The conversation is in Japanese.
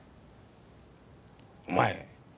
お前。